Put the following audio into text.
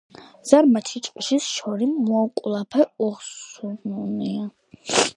ზარმაცი ჭყიშის შორიშ მუკოლუაფა უსხუნუნია